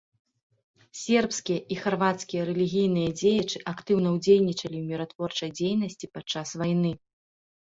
Сербскія і харвацкія рэлігійныя дзеячы актыўна ўдзельнічалі ў міратворчай дзейнасці падчас вайны.